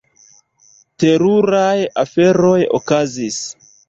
Teruraj aferoj okazis.